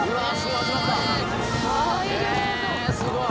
えすごい。